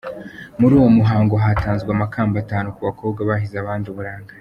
Muri uwo muhango hatanzwe amakamba atanu ku bakobwa bahize abandi uburanga.